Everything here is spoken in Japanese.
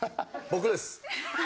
僕です。